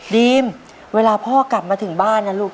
ดีมเวลาพ่อกลับมาถึงบ้านนะลูก